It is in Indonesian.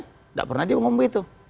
tidak pernah dia mengomong itu